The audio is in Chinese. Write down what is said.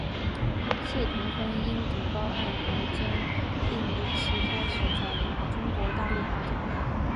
谢霆锋因顶包案而间接令其开始转往中国大陆发展。